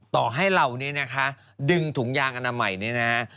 ต่อให้เราเนี่ยนะคะดึงถุงยางอนามัยเนี่ยนะฮะ